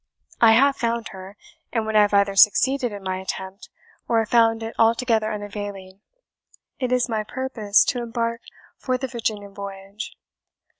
I have found her, and when I have either succeeded in my attempt, or have found it altogether unavailing, it is my purpose to embark for the Virginia voyage."